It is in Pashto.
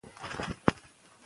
ایا خلک خبر شول؟